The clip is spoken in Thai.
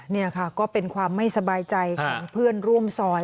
นี่ค่ะก็เป็นความไม่สบายใจของเพื่อนร่วมซอย